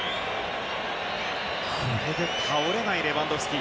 あれで倒れないレバンドフスキ。